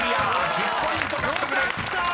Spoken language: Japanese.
１０ポイント獲得です］